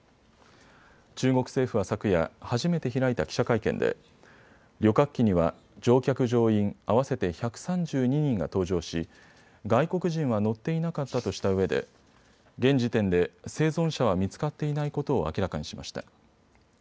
中国政府は昨夜、初めて開いた記者会見で旅客機には乗客乗員合わせて１３２人が搭乗し、外国人は乗っていなかったとしたうえで現時点で生存者は見つかっていないことを明らかにしました。